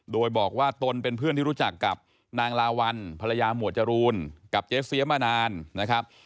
โดยบอกว่าตนเป็นเพื่อนที่รู้จักกับนางลาวัลภรรยาหมวดจรูนกับเจ๊เสียมานานนะครับ